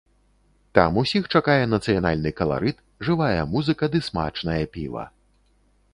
Там усіх чакае нацыянальны каларыт, жывая музыка ды смачнае піва.